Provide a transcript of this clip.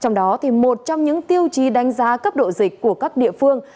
trong đó một trong những tiêu chí đánh giá cấp độ dịch của các địa phương